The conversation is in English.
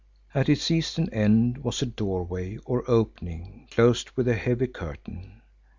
At its eastern end was a doorway or opening closed with a heavy curtain.